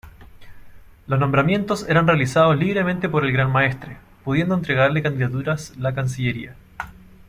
Los nombramientos eran realizados libremente por el gran maestre, pudiendo entregarle candidaturas la cancillería.